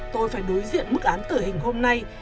tôi phải đối diện mức án tử hình hôm nay